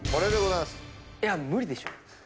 いや無理でしょ。